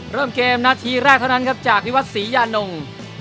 เริ่มเกมนาทีแรกเท่านั้นครับจากวิวัตรศรียานง